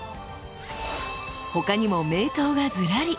他にも名刀がずらり。